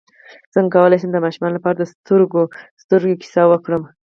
څنګه کولی شم د ماشومانو لپاره د سترګو سترګو کیسه وکړم